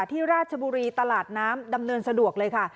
ราชบุรีตลาดน้ำดำเนินสะดวกเลยค่ะ